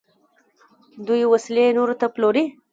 دوی وسلې نورو ته پلوري.